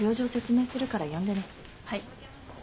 はい。